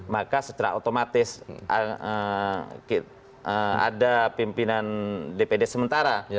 maka secara otomatis ada pimpinan dpd sementara